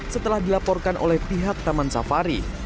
setelah dilaporkan oleh pihak taman safari